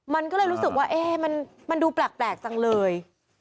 มันก็เลยรู้สึกว่ามันดูแปลกจังเลย